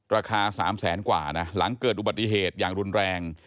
ราคา๓แสนกว่านะหลังเกิดอุบัติเหตุอย่างรุนแรง